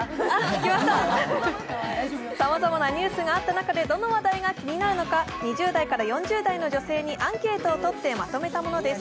さまざまなニュースがあった中でどの話題が気になるのか２０代から４０代の女性にアンケートをとってまとめたものです。